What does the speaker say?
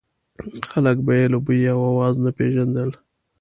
خلک به یې له بوی او اواز نه پېژندل.